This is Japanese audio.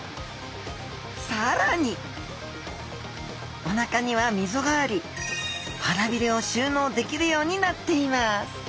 更におなかには溝があり腹鰭を収納できるようになっています